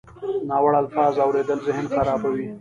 ناوړه الفاظ اورېدل ذهن خرابوي.